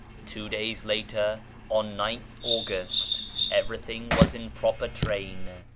Tw'O days later, on 9 th August, everything was in proper train.